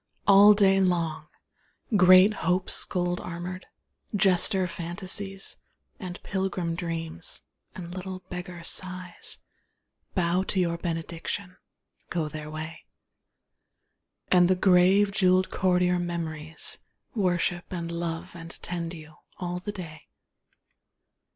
All day long Great Hopes gold armoured, jester Fantasies, And pilgrim Dreams, and little beggar Sighs, Bow to your benediction, go their way. And the grave jewelled courtier Memories Worship and love and tend you, all the day.